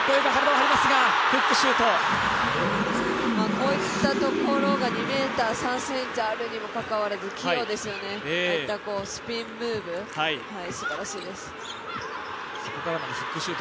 こういったところが２ｍ３ｃｍあるにもかかわらず、器用ですよね、ああいったスピンムーブ、すばらしいです。